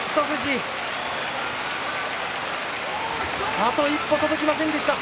あと一歩届きませんでした。